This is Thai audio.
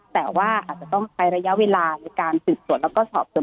แต่ว่าอาจจะต้องใช้ระยะเวลาในการสืบสวนแล้วก็สอบส่วน